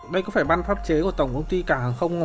đây có phải băn pháp chế của tổng công ty cảng hàng không không ạ